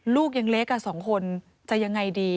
ลูกยังเล็ก๒คนจะยังไงดี